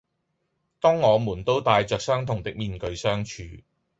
當我們都帶着相同的面具相處